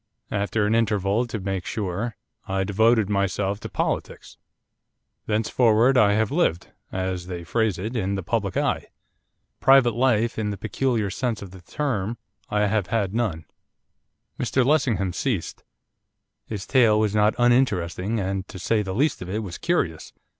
After an interval, to make sure, I devoted myself to politics. Thenceforward I have lived, as they phrase it, in the public eye. Private life, in any peculiar sense of the term, I have had none.' Mr Lessingham ceased. His tale was not uninteresting, and, to say the least of it, was curious.